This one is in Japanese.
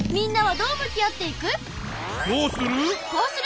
どうする！